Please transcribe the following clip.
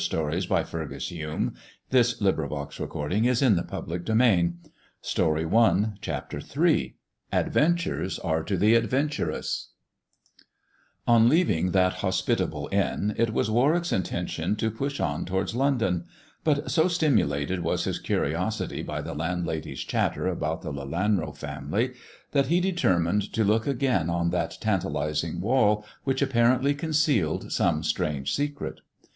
It was a repetition of the Pied Piper of Hamelin. it 20 THE dwarf's chamber CHAPTER III ADVENTURES ARE TO THE ADVENTUROUS ON leaving that hospitable inn, it was Warwick's inten tion to push on towards London ; but so stimulated was his curiosity by the landlady's chatter about the Le lanro family, that he determined to lo5k again on that tantalizing wall, which apparently concealed some strange secret.